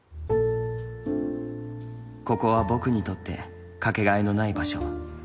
「ここは僕にとってかけがえのない場所。